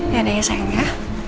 ya adanya sayang ya